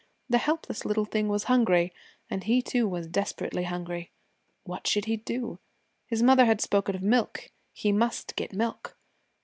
The helpless little thing was hungry, and he too was desperately hungry. What should he do? His mother had spoken of milk. He must get milk.